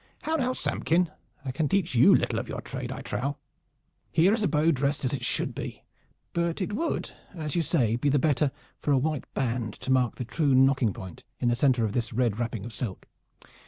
How now, Samkin? I can teach you little of your trade, I trow. Here is a bow dressed as it should be; but it would, as you say, be the better for a white band to mark the true nocking point in the center of this red wrapping of silk.